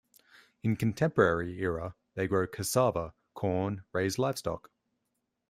In contemporary era, they grow cassava, corn, raise livestock.